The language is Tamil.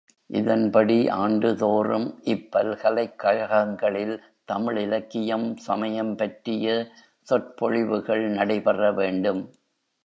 இதன்படி ஆண்டுதோறும் இப்பல்கலைக் கழகங் களில் தமிழ் இலக்கியம், சமயம் பற்றிய சொற்பொழிவுகள் நடைபெற வேண்டும்.